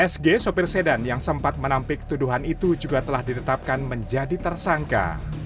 sg sopir sedan yang sempat menampik tuduhan itu juga telah ditetapkan menjadi tersangka